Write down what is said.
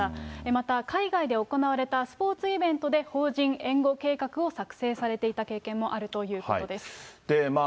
また海外で行われたスポーツイベントで、邦人援護計画を作成されていた経験もあるということです。